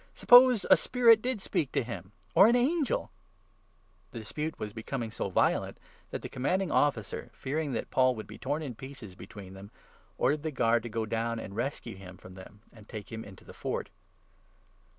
Suppose a spirit did speak to him, or an angel — The dispute was becoming so violent, that the Commanding 10 Officer, fearing that Paul would be torn in pieces between them, ordered the Guard to go down and rescue him from them, and take him into the Fort.